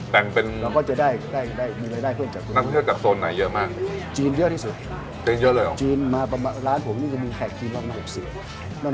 แต่มันก็จะได้เพื่อนจากโซน